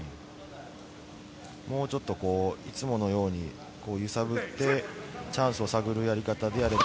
もうちょっといつものように揺さぶってチャンスを探るやり方でやると。